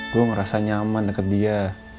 gue ngerasa nyaman deket dia